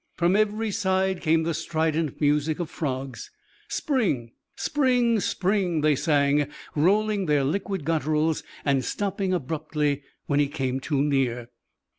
From every side came the strident music of frogs. Spring, spring, spring, they sang, rolling their liquid gutturals and stopping abruptly when he came too near.